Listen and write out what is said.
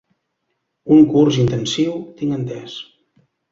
Un curs intensiu tinc entès.